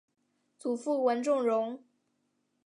祖父文仲荣。